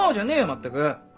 まったく。